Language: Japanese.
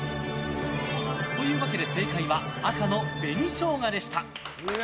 というわけで、正解は赤の紅ショウガでした！